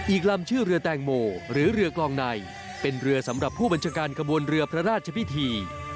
อีกลำชื่อเรือแตงโมหรือเรือกลองในเป็นเรือสำหรับผู้บัญชาการขบวนเรือพระราชพิธี